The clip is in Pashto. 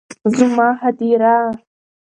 زما هديره